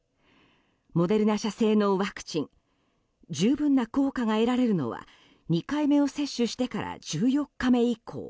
モデルナ社製のワクチン十分な効果が得られるのは２回目を接種してから１４日目以降。